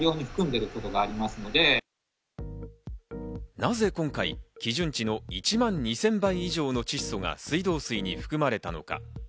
なぜ今回、基準値の１万２０００倍以上の窒素が水道水に含まれたのか。